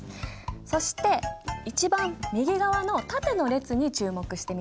そして一番右側の縦の列に注目してみて。